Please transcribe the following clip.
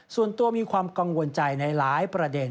ส่วนตัวมีความกังวลใจในหลายประเด็น